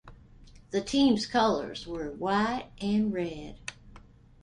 The team's colors were white and red.